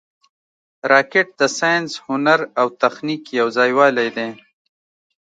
راکټ د ساینس، هنر او تخنیک یو ځای والې دی